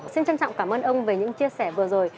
xin trân trọng cảm ơn ông về những chia sẻ vừa rồi